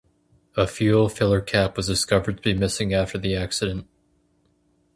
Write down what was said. A fuel filler cap was discovered to be missing after the accident.